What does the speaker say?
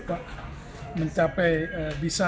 kita mencapai bisa empat puluh lima